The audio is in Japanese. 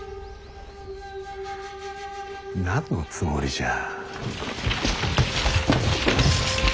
何のつもりじゃ。